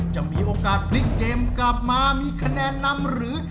จะมีโอกาสพลิกเกมกลับมามีคะแนนนำหรือ